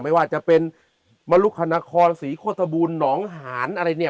ไม่ว่าจะเป็นมรุคณะคอศรีโฆษบูลหนองหานอะไรเนี่ย